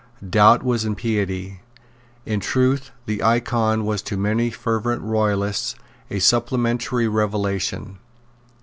Doubt was impiety. In truth the Icon was to many fervent Royalists a supplementary revelation.